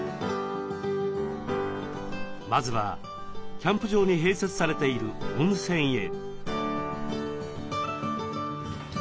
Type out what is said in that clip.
まずはキャンプ場に併設されている温泉へ。